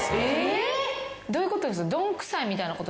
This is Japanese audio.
どういうことです？